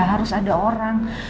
harus ada orang